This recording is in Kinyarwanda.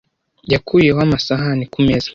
Yakuyeho amasahani kumeza.